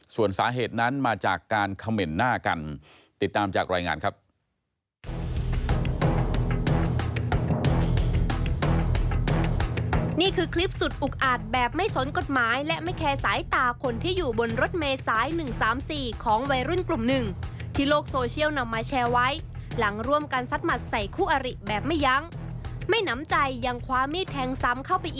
ส่วนสาเหตุนั้นมาจากการเขม่นหน้ากันติดตามจากรายงานครับ